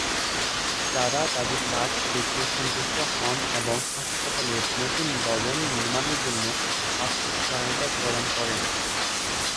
তারা তাদের কাজ দেখে সন্তুষ্ট হন এবং হাসপাতালের নতুন ভবন নির্মাণের জন্য আর্থিক সহায়তা প্রদান করেন।